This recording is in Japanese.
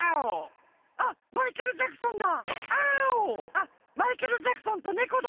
あっマイケル・ジャクソンとネコだ。